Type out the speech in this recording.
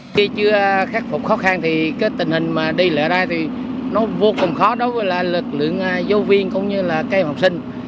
khi chưa khắc phục khó khăn thì cái tình hình mà đi lại thì nó vô cùng khó đối với lực lượng giáo viên cũng như là cây học sinh